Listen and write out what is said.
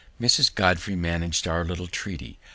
Mrs. Godfrey manag'd our little treaty.